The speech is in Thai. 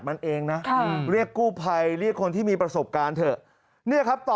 มันเองนะเรียกกู้ภัยเรียกคนที่มีประสบการณ์เถอะเนี่ยครับต่อ